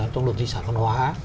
trong luật di sản văn hóa